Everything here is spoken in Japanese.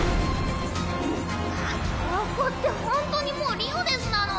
ここってほんとにもうリオネスなの？